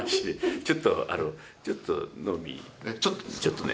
ちょっと、ちょっと飲み、ちょっとね。